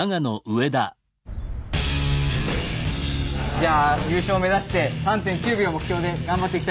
じゃあ優勝目指して３．９秒目標で頑張っていきたいと思います。